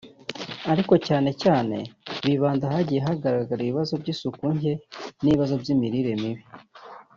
ariko cyane cyane bibanda ahagiye hagaragara ibibazo by’isuku nke n’ibibazo by’imirire mibi